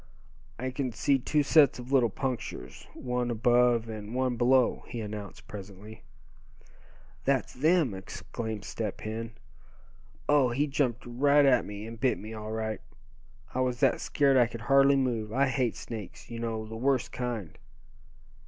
"I can see two sets of little punctures, one above and one below," he announced presently. "That's them!" exclaimed Step Hen. "Oh! he jumped right at me, and bit me, all right! I was that scared I could hardly move. I hate snakes, you know, the worst kind.